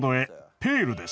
ペールです。